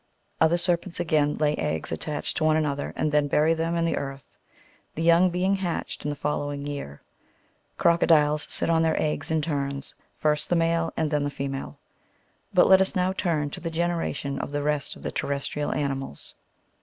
Other serpents, again, lay eggs attached to one another, and then bury them in the earth ; the young being hatched in the following year. Croco diles sit on their eggs in turns, first the male, and then the female. But let us now turn to the generation of the rest of the terrestrial animals.